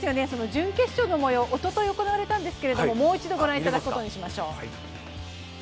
準決勝のもようおととい行われたんですけれどももう一度ご覧いただくことにしましょう。